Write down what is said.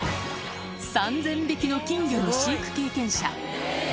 ３０００匹の金魚の飼育経験者。